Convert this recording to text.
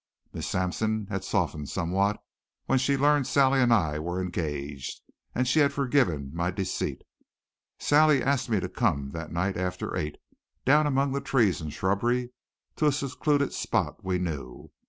Miss Sampson had softened somewhat when she learned Sally and I were engaged, and she had forgiven my deceit. Sally asked me to come that night after eight, down among the trees and shrubbery, to a secluded spot we knew.